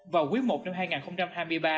vào quý i năm hai nghìn hai mươi ba